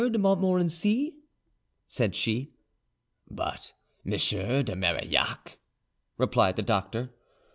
de Montmorency?" said she. "But M. de Marillac?" replied the doctor.